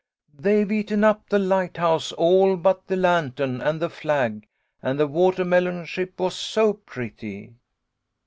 " They've eaten up the lighthouse all but the lantern and the flag, and the watermelon ship was so pretty.